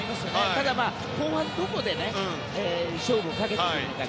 ただ、後半どこで勝負をかけてくるのか。